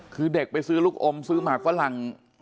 คือเด็กไปซื้อลูกอมซื้อหมากฝรั่ง